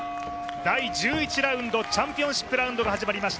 第１１ラウンド、チャンピオンシップラウンドが始まりました。